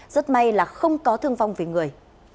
rất may là không có thương vong về người